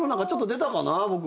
出たかも。